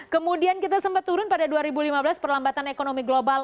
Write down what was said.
kemudian kita sempat turun pada dua ribu lima belas perlambatan ekonomi global